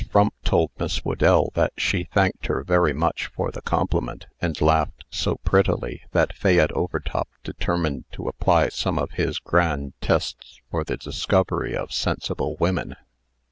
Frump told Miss Whedell that she thanked her very much for the compliment, and laughed so prettily, that Fayette Overtop determined to apply some of his grand tests for the discovery of sensible women.